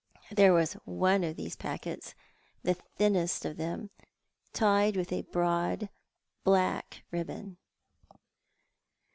There was one of these packets— the thinnest of them — tied with a broad black ribbon.